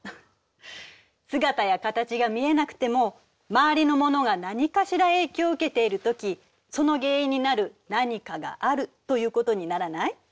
姿や形が見えなくても周りのものがなにかしら影響を受けているときその原因になる何かがあるということにならない？